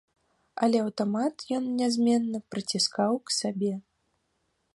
Але аўтамат ён нязменна прыціскаў к сабе.